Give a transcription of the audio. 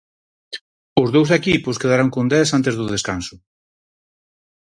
Os dous equipos quedaron con dez antes do descanso.